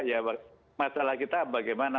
ya masalah kita bagaimana